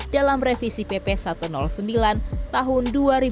dalam revisi pp satu ratus sembilan tahun dua ribu dua